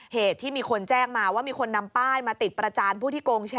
เหตุที่มีคนแจ้งมาว่ามีคนนำป้ายมาติดประจานผู้ที่โกงแชร์